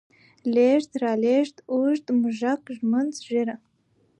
لېږد، رالېږد، اوږد، موږک، ږمنځ، ږيره